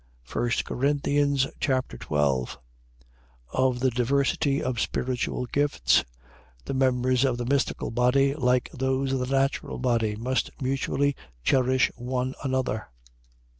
1 Corinthians Chapter 12 Of the diversity of spiritual gifts. The members of the mystical body, like those of the natural body, must mutually cherish one another.